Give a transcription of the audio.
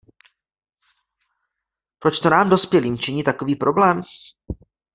Proč to nám dospělým činí takový problém?